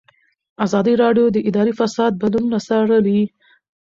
ازادي راډیو د اداري فساد بدلونونه څارلي.